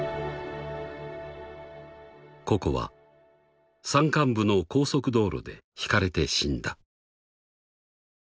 ［ココは山間部の高速道路でひかれて死んだ］